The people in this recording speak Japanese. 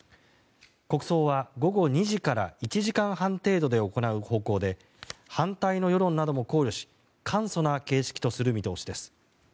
国葬は午後２時から１時間半程度で行う方向で反対の世論なども考慮し簡素な形式とする見通しです。